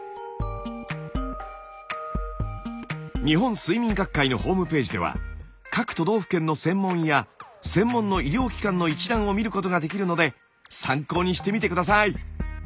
日本睡眠学会のホームページでは各都道府県の専門医や専門の医療機関の一覧を見ることができるので参考にしてみて下さい。